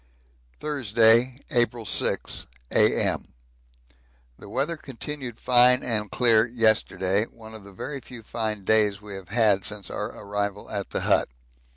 Thursday, April 6, A.M. The weather continued fine and clear yesterday one of the very few fine days we have had since our arrival at the hut.